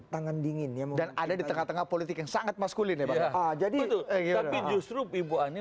tangan dingin yang ada di tengah tengah politik yang sangat maskulin ya jadi justru ibu ani